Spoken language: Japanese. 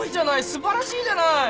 すばらしいじゃない！